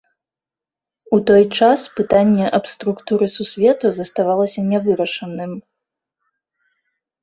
У той час пытанне аб структуры сусвету заставалася нявырашаным.